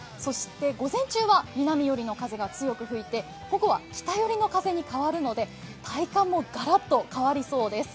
午前中は南寄りの風が強く吹いて午後は北寄りの風に変わるので体感もガラッと変わりそうです。